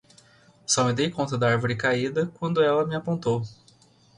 Só me dei conta da árvore caída quando ela me apontou.